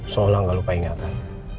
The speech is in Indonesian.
seolah gak lupa ingatan